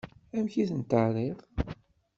Amek i tent-terriḍ?